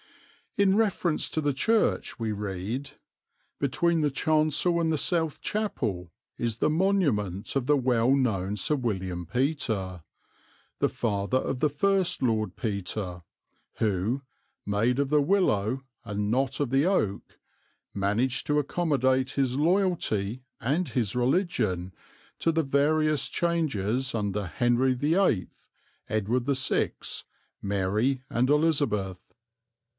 In reference to the church we read: "Between the chancel and the south chapel is the monument of the well known Sir William Petre (the father of the first Lord Petre) who, 'made of the willow and not of the oak,' managed to accommodate his loyalty and his religion to the various changes under Henry VIII, Edward VI, Mary and Elizabeth."